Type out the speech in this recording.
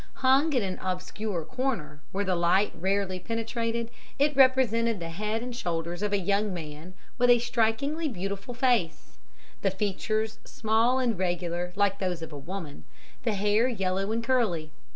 Hung in an obscure corner, where the light rarely penetrated, it represented the head and shoulders of a young man with a strikingly beautiful face the features small and regular like those of a woman the hair yellow and curly.